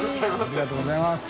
ありがとうございます。